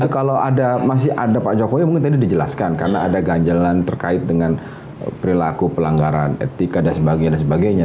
kalau ada masih ada pak jokowi mungkin tadi dijelaskan karena ada ganjalan terkait dengan perilaku pelanggaran etika dan sebagainya